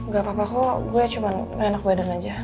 gak apa apa kok gue cuman enak badan aja